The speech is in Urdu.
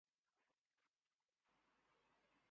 بلبلیں سن کر میرے نالے‘ غزلخواں ہو گئیں